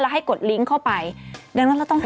ให้กดลิงก์เข้าไปดังนั้นเราต้องให้